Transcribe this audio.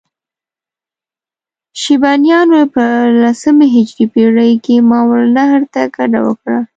شیبانیانو په لسمې هجري پېړۍ کې ماورالنهر ته کډه وکړه.